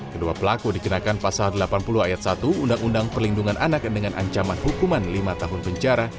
kedua pelaku dikenakan pasal delapan puluh ayat satu undang undang perlindungan anak dengan ancaman hukuman lima tahun penjara